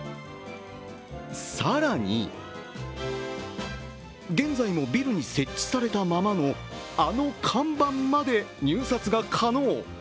更に、現在もビルに設置されたままのあの看板まで入札が可能。